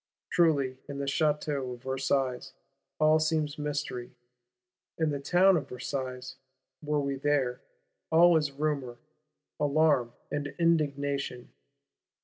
Truly, in the Château of Versailles all seems mystery: in the Town of Versailles, were we there, all is rumour, alarm and indignation.